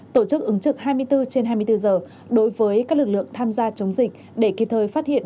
tổ chức ứng trực hai mươi bốn trên hai mươi bốn giờ đối với các lực lượng tham gia chống dịch để kịp thời phát hiện